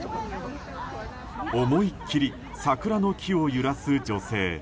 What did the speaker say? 思い切り桜の木を揺らす女性。